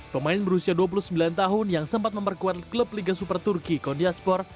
pemain berusia dua puluh sembilan tahun yang sempat memperkuat klub liga super turki kondiaspor